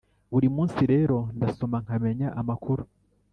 Buri munsi rero ndasoma nkamenya amakuru